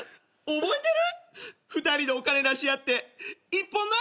覚えてる？